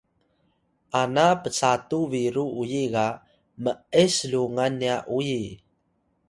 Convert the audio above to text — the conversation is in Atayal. ana psatu biru uyi ga m’es lungan nya uyi